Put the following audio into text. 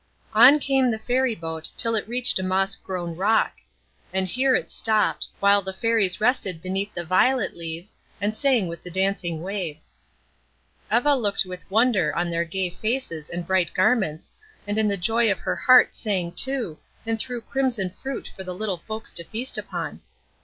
On came the fairy boat, till it reached a moss grown rock; and here it stopped, while the Fairies rested beneath the violet leaves, and sang with the dancing waves. Eva looked with wonder on their gay faces and bright garments, and in the joy of her heart sang too, and threw crimson fruit for the little folks to feast upon.